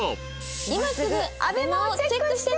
今すぐＡＢＥＭＡをチェックしてね！